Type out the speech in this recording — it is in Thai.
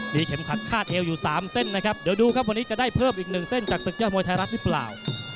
มีเข็มขัดคาดเอวอยู่๓เส้นนะครับเดี๋ยวดูครับวันนี้จะได้เพิ่มอีกหนึ่งเส้นจากศึกยอดมวยไทยรัฐหรือเปล่า